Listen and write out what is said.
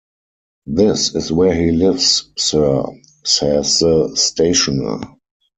"This is where he lives, sir," says the stationer.